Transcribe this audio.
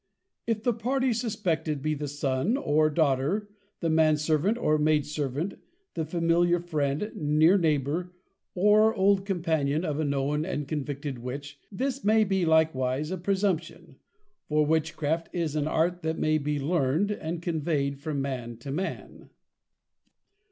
_If the Party suspected be the Son or Daughter, the man servant or maid servant, the Familiar Friend, near Neighbor, or old Companion, of a known and convicted Witch; this may be likewise a Presumption; for Witchcraft is an Art that may be learned, and conveyed from man to man.